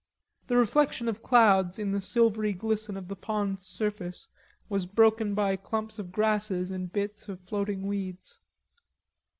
The reflection of clouds in the silvery glisten of the pond's surface was broken by clumps of grasses and bits of floating weeds.